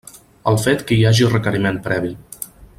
El fet que hi hagi requeriment previ.